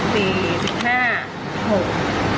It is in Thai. ปีสิบห้าหก